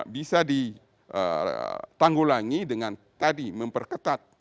bisa ditanggulangi dengan tadi memperketat dmo barang